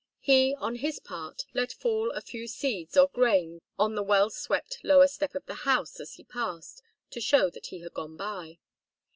He, on his part, let fall a few seeds or grains on the well swept lower step of the house as he passed, to show that he had gone by.